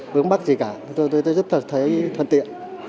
vướng bắc gì cả tôi thấy rất là thuận tiện